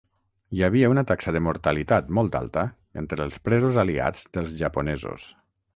Hi havia una taxa de mortalitat molt alta entre els presos aliats dels japonesos.